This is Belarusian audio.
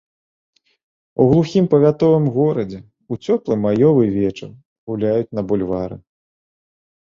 У глухім павятовым горадзе, у цёплы маёвы вечар, гуляюць на бульвары.